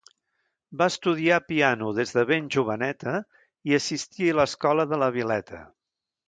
Va estudiar piano des de ben joveneta i assistí a l'escola de la Vileta.